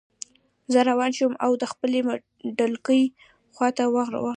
زه روان شوم او د خپلې ډلګۍ خواته ورغلم